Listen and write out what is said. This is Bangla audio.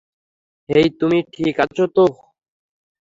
হেই, তুমি ঠিক আছো তো?